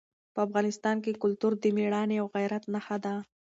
په افغانستان کې کلتور د مېړانې او غیرت نښه ده.